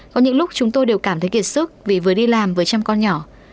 có những lúc chúng tôi đều cảm thấy kiệt sức vì vừa đi làm với trăm con nhỏ